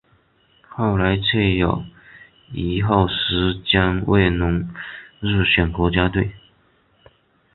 后来却有一后时间未能入选国家队。